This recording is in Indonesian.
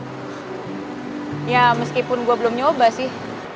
ya meskipun gue belum nyoba sih